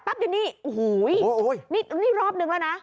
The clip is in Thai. ปั๊บนี่นี่โอ้โฮนี่รอบหนึ่งแล้วนะ